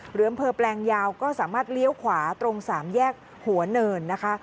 อำเภอแปลงยาวก็สามารถเลี้ยวขวาตรงสามแยกหัวเนินนะคะ